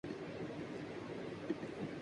India اپنے لوگوں کو صحیح طرح کھانا کھلائے